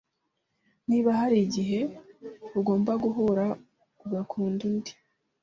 Niba hari igihe ugomba guhura ugakunda undi